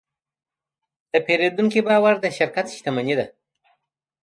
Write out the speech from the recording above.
د پیرودونکي باور د شرکت شتمني ده.